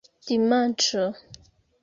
dimanĉo